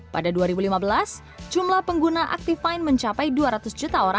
pada dua ribu lima belas jumlah pengguna aktif fine mencapai dua ratus juta